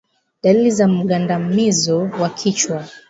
Dalili za mgandamizo wa kichwa